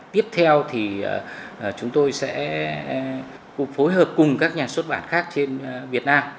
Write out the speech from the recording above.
tiếp theo thì chúng tôi sẽ phối hợp cùng các nhà xuất bản khác trên việt nam